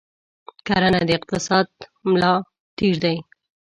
کرنه د اقتصاد ملا تیر دی.